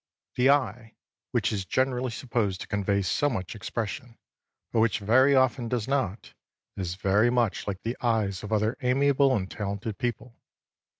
The eye, which is generally supposed to convey so much expression, but which very often does not, is very much like the eyes of other amiable and talented people.